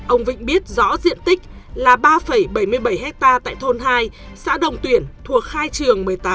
ông vịnh biết rõ diện tích là ba bảy mươi bảy hectare tại thôn hai xã đồng tuyển thuộc khai trường một mươi tám